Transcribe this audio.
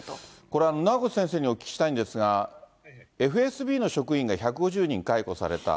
これ、名越先生にお聞きしたいんですが、ＦＳＢの職員が１５０人解雇された。